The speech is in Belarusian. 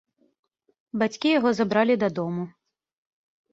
Бацькі яго забралі дадому.